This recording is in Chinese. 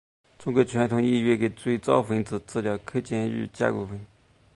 中国传统医学的最早文字资料可见于甲骨文。